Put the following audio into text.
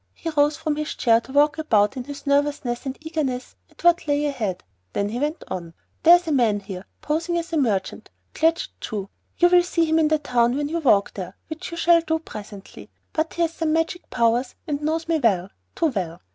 He rose from his chair to walk about in his nervousness and eagerness at what lay ahead. Then he went on. "There is a man here, posing as a merchant. Claggett Chew. You will see him in the town when you walk there, which you shall do, presently. But he has some magic powers, and knows me well. Too well."